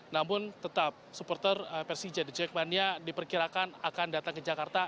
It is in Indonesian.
namun tetap supporter persija dan jack mania diperkirakan akan datang ke jakarta